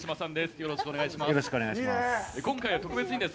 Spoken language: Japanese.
よろしくお願いします。